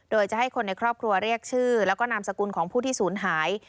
โดยจะให้คนในครอบครัวเรียกชื่อแล้วก็นามสกุลของผู้ที่ศูนย์หาย